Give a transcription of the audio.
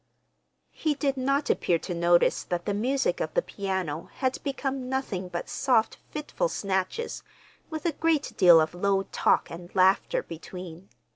He did not appear to notice that the music of the piano had become nothing but soft fitful snatches with a great deal of low talk and laughter between.